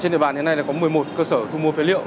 trên địa bàn thế này có một mươi một cơ sở thu mua phế liệu